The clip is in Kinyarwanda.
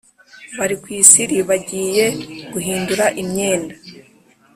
bari ku isiri bagiye guhindura imyenda